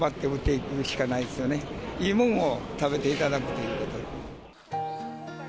いいもんを食べていただくということで。